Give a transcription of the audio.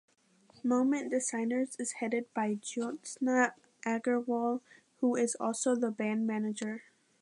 Moment Designers is headed by Jyotsna Aggarwal who is also the band manager.